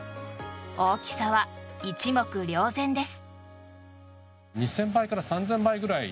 大きさは一目瞭然です。